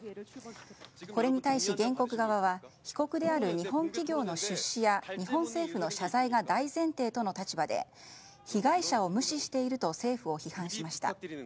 これに対し、原告側は被告である日本企業の出資や日本政府の謝罪が大前提としたうえで被害者を無視していると政府を批判しました。